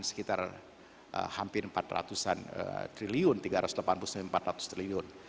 sekitar hampir empat ratus triliun tiga ratus delapan puluh triliun